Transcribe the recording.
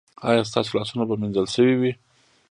ایا ستاسو لاسونه به مینځل شوي وي؟